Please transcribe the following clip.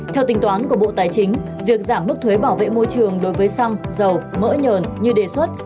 theo tính toán của bộ tài chính việc giảm mức thuế bảo vệ môi trường đối với xăng dầu mỡ nhờn như đề xuất